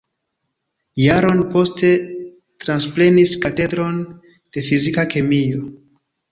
Jaron poste transprenis Katedron de Fizika Kemio.